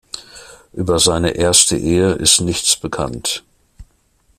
Über seine erste Ehe ist nichts bekannt.